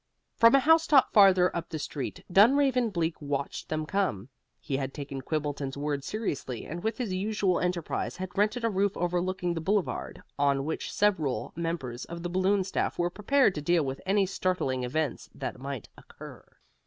From a house top farther up the street Dunraven Bleak watched them come. He had taken Quimbleton's word seriously, and with his usual enterprise had rented a roof overlooking the Boulevard, on which several members of the Balloon staff were prepared to deal with any startling events that might occur.